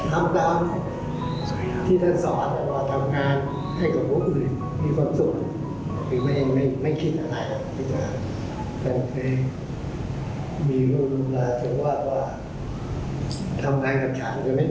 ทำตามที่ท่านสอนและทำงานให้กับผู้อื่นมีความสุข